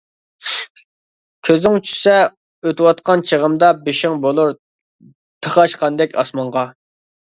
كۆزۈڭ چۈشسە ئۆتۈۋاتقان چېغىمدا بېشىڭ بولۇر تاقاشقاندەك ئاسمانغا.